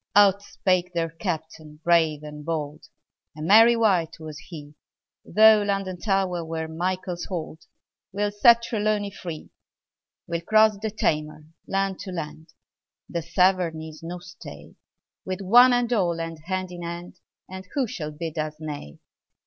Out spake their Captain brave and bold: A merry wight was he: Though London Tower were Michael's hold, We'll set Trelawny free! We'll cross the Tamar, land to land: The Severn is no stay: With "one and all," and hand in hand; And who shall bid us nay?